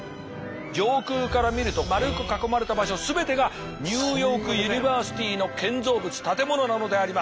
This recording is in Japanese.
上空から見ると丸く囲まれた場所全てがニューヨークユニバーシティーの建造物建物なのであります。